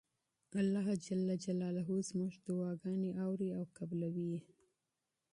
الله زموږ دعاګانې اوري او قبلوي یې.